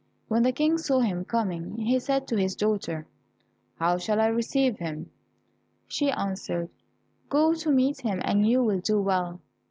When the King saw him coming, he said to his daughter, "How shall I receive him?" She answered, "Go to meet him and you will do well."